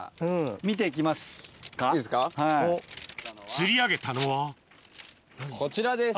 釣り上げたのはこちらです。